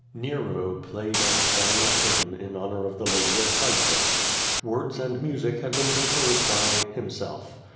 Nero played and sang a hymn in honor of the Lady of Cyprus. Words and music had been composed by himself.